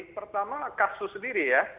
pertama kasus sendiri ya